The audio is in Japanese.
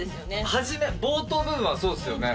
始め冒頭部分はそうですよね